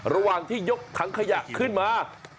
ระหว่างที่ยกถังขยะขึ้นมา